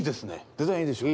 デザインいいでしょ？